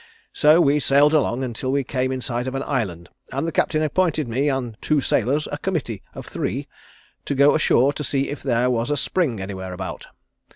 So we sailed along until we came in sight of an Island and the Captain appointed me and two sailors a committee of three to go ashore and see if there was a spring anywhere about.